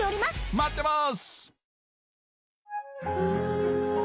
待ってます！